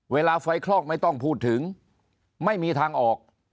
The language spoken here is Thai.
เวลาไฟคลอกไม่ต้องพูดถึงไม่มีทางออก